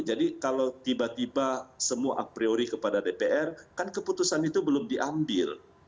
jadi kalau tiba tiba semua a priori kepada dpr kan keputusan itu belum diambil